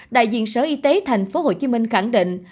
đại diện sở y tế tp hcm khẳng định